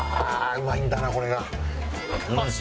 うまいんだなこれが。